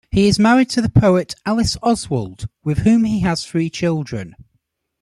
He is married to the poet Alice Oswald, with whom he has three children.